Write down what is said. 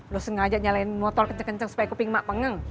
lo sengaja nyalain motor kenceng kenceng supaya kuping mak pengeng